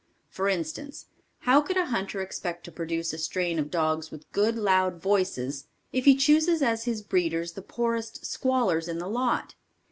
For instance, how could a hunter expect to produce a strain of dogs with good, loud voices, if he chooses as his breeders the poorest squallers in the lot?